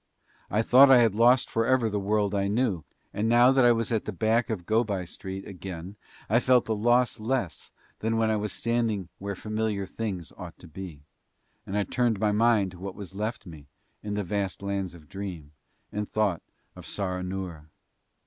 I thought I had lost forever the world I knew, and now that I was at the back of Go by Street again I felt the loss less than when I was standing where familiar things ought to be; and I turned my mind to what was left me in the vast Lands of Dream and thought of Saranoora.